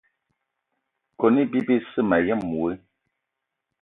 Kone iba besse mayen woe.